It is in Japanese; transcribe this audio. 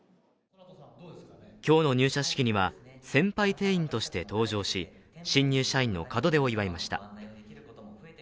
今日の入社式には先輩店員として登場し新入社員の門出を祝いました。